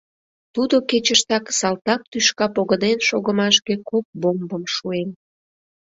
Тудо кечыштак салтак тӱшка погынен шогымашке кок бомбым шуэн.